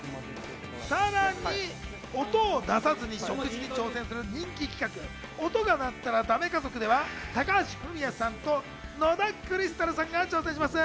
さらに音を出さずに食事に挑戦する人気企画・音が鳴ったらダメ家族では高橋文哉さんと野田クリスタルさんが挑戦します。